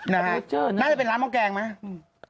น่าจะเป็นร้านหม้อแกงไหม